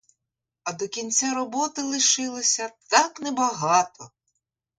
А до кінця роботи лишилося так небагато!